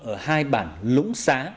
ở hai bản lũng xá